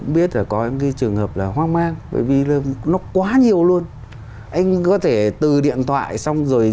biết là có những cái trường hợp là hoang mang bởi vì nó quá nhiều luôn anh có thể từ điện thoại xong rồi